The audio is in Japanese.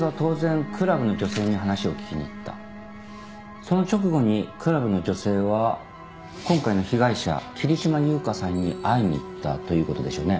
その直後にクラブの女性は今回の被害者桐島優香さんに会いに行ったということでしょうね。